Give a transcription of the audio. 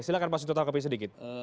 oke silakan pak sumito tanggapi sedikit